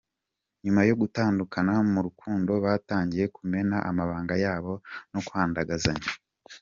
Nyuma yo gutandukana mu rukundo batangiye kumena amabanga yabo no kwandagazanya.